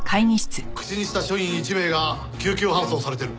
口にした所員１名が救急搬送されてる。